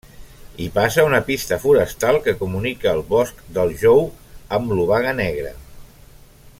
Hi passa una pista forestal que comunica el bosc del Jou amb l'Obaga Negra.